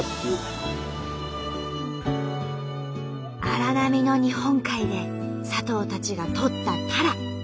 荒波の日本海で佐藤たちがとったタラ。